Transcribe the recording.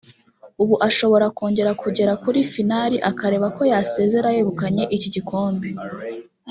ubu ashobora kongera kugera kuri final akareba ko yasezera yegukanye iki gikombe